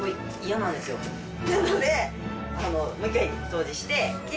なので、もう一回掃除して、きれ